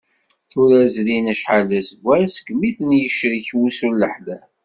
Tura zrin acḥal d aseggas, segmi ten-yecrek wusu n leḥlal.